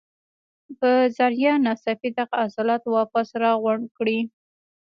پۀ ذريعه ناڅاپي دغه عضلات واپس راغونډ کړي